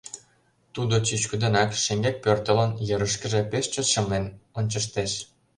Тудо чӱчкыдынак шеҥгек пӧртылын, йырышкыже пеш чот шымлен ончыштеш.